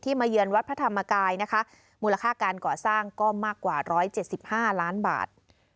มาเยือนวัดพระธรรมกายนะคะมูลค่าการก่อสร้างก็มากกว่า๑๗๕ล้านบาท